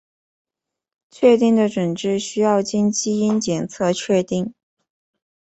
确定的诊治需要经基因检测确定。